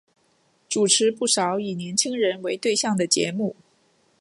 主持不少以年青人为对象的节目。